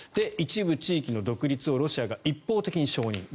一部地域の独立をロシアが一方的に承認。